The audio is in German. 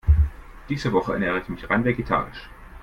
Diese Woche ernähre ich mich rein vegetarisch.